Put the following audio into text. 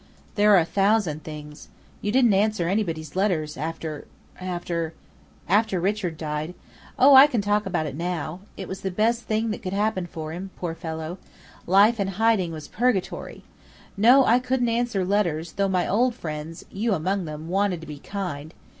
"There are a thousand things. You didn't answer anybody's letters, after after " "After Richard died. Oh, I can talk about it, now. It was the best thing that could happen for him, poor fellow. Life in hiding was purgatory. No, I couldn't answer letters, though my old friends (you among them) wanted to be kind.